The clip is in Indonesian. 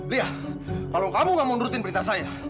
lihat kalau kamu nggak mau nurutin perintah saya